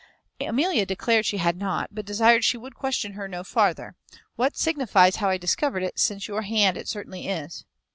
Amelia declared she had not, but desired she would question her no farther. "What signifies how I discovered it, since your hand it certainly is?"